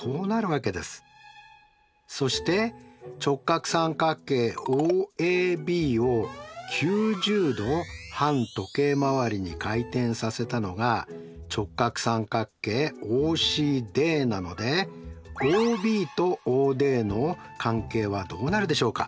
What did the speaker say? そして直角三角形ＯＡＢを９０°反時計回りに回転させたのが直角三角形ＯＣＤなのでＯＢとＯＤの関係はどうなるでしょうか？